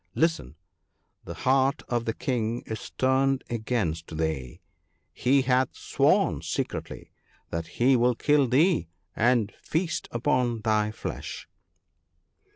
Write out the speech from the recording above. Listen !— the heart of the King is turned against thee ! he hath sworn secretly that he will kill thee and feast upon thy flesh.'